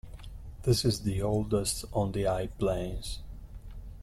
This is the oldest on the high plains.